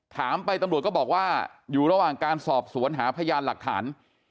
ถามไปตำรวจก็บอกว่าอยู่ระหว่างการสอบสวนหาพยานหลักฐาน